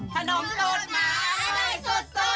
ขนมตดหมาให้สุด